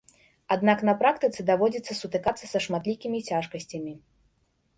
Аднак на практыцы даводзіцца сутыкацца са шматлікімі цяжкасцямі.